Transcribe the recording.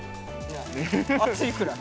暑いくらい。